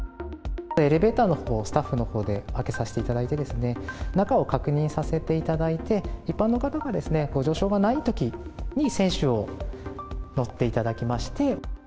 エレベーターのほう、スタッフのほうで開けさせていただいて、中を確認させていただいて、一般の方がご乗車がないときに、選手に乗っていただきまして。